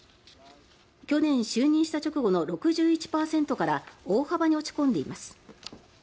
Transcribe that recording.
去年就任した直後の６１％から大幅に落ち込んでいます。